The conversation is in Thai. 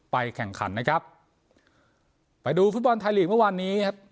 แข่งขันนะครับไปดูฟุตบอลไทยลีกเมื่อวานนี้ครับ